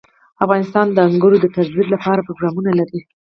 افغانستان د انګور د ترویج لپاره پروګرامونه لري.